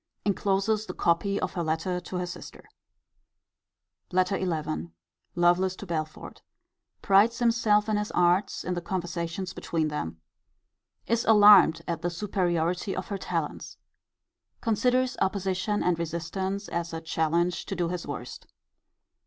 Encloses the copy of her letter to her sister. LETTER XI. Lovelace to Belford. Prides himself in his arts in the conversations between them. Is alarmed at the superiority of her talents. Considers opposition and resistance as a challenge to do his worst.